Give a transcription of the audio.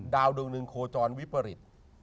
ดาวดึงดึงโคจรวิปริศ